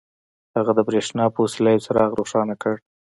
هغه د برېښنا په وسيله يو څراغ روښانه کړ.